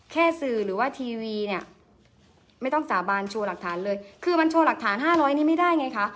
สื่อหรือว่าทีวีเนี่ยไม่ต้องสาบานโชว์หลักฐานเลยคือมันโชว์หลักฐาน๕๐๐นี่ไม่ได้ไงคะ